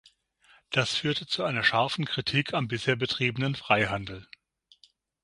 Das führte zu einer scharfen Kritik am bisher betriebenen Freihandel.